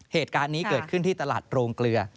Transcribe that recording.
เหตุการณ์นี้เกิดขึ้นที่ตลาดโรงเกลือ